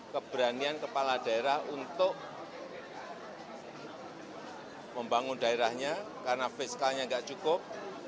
keberanian kepala daerah untuk membangun daerahnya karena fiskalnya nggak cukup